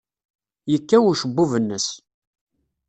Yekkaw ucebbub-nnes.